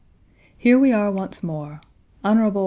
Here we are once more. Hon.